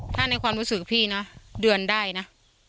ถ้าในความรู้สึกพี่นะเดือนได้นะ